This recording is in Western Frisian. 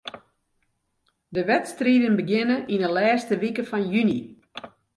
De wedstriden begjinne yn 'e lêste wike fan juny.